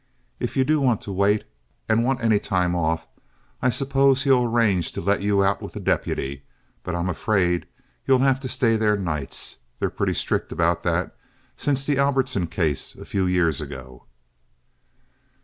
If you do want to wait, and want any time off, I suppose he'll arrange to let you out with a deputy; but I'm afraid you'll have to stay there nights. They're pretty strict about that since that Albertson case of a few years ago."